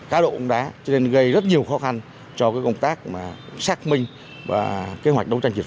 cá độ bóng đá cho nên gây rất nhiều khó khăn cho công tác xác minh và kế hoạch đấu tranh triệt